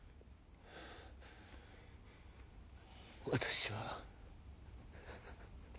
私は。